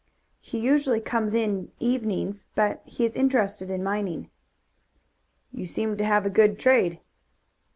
"He usually comes in evenings, but he is interested in mining." "You seem to have a good trade."